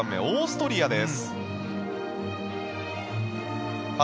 オーストリア。